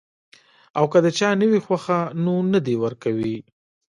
او کۀ د چا نۀ وي خوښه نو نۀ دې ورکوي -